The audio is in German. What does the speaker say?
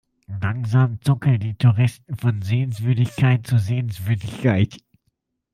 Langsam zuckeln die Touristen von Sehenswürdigkeit zu Sehenswürdigkeit.